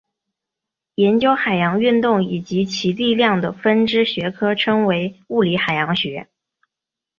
研究海洋运动以及其力量的分支学科称为物理海洋学。